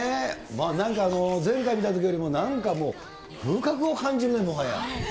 なんか前回見たときよりも、なんかもう、風格を感じるね、もはや。